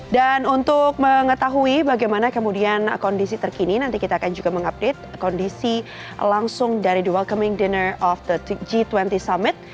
dan untuk mengetahui bagaimana kemudian kondisi terkini nanti kita akan juga mengupdate kondisi langsung dari the welcoming dinner of the g dua puluh summit